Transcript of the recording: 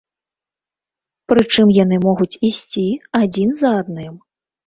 Прычым яны могуць ісці адзін за адным.